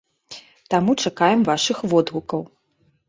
Таму чакаем вашых водгукаў.